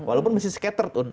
walaupun masih scattered